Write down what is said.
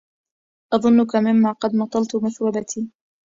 أظنك مما قد مطلت مثوبتي